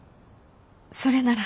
それなら。